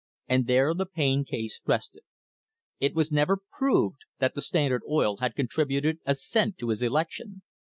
* And there the Payne case rested. It was never proved that the Standard Oil Company had contributed a cent to his election.